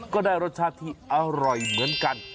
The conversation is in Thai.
ก็ได้รสชาติที่อร่อยเหมือนกัน